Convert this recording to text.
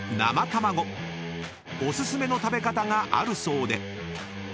［お薦めの食べ方があるそうで］